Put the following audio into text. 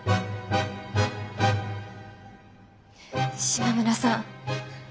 島村さん